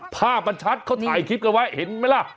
ภาพมันชัดเขาถ่ายคลิปกันไว้เห็นไหมล่ะ